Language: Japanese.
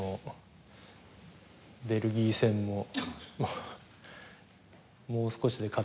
ベルギー戦ももう少しで勝てたのに。